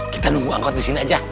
kita nunggu angkot disini aja